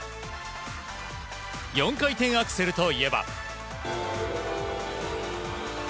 ４回転アクセルといえば。